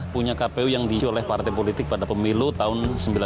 punya kpu yang diisi oleh partai politik pada pemilu tahun seribu sembilan ratus sembilan puluh